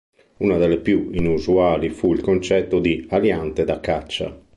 Una delle più inusuali fu il concetto di "aliante da caccia".